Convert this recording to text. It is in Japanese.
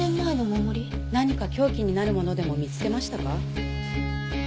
何か凶器になるものでも見つけましたか？